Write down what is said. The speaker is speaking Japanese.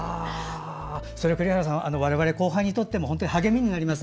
栗原さん、それは後輩にとっても励みになります。